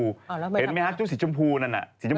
เห็นไหมครับชุดสีชมพูนั่นหรือไม่แหละ